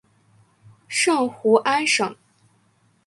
圣胡安省。